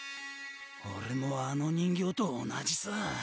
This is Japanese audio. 俺もあの人形と同じさ！